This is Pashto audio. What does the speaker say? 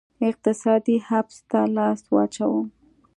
اقتصادي حبس ته لاس واچاوه